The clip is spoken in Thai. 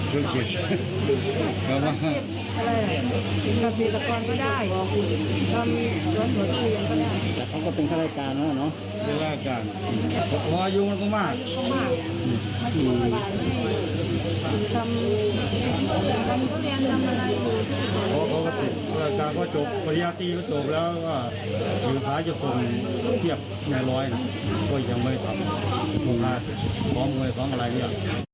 เพราะเขาก็จบภรรยาสตรีแล้วก็อยู่ใจจะส่งเทียบอย่างน้อย